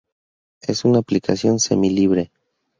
Es una aplicación semi-libre.